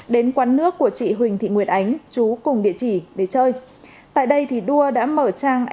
đến quán nước của chị huỳnh thị nguyệt ánh chú cùng địa chỉ để chơi tại đây đua đã mở trang